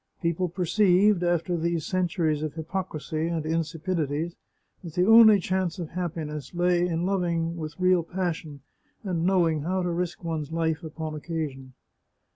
People perceived, after these centuries of hypocrisy and insipidities, that the only chance of happiness lay in loving with real passion, and knowing how to risk one's life upon occasion.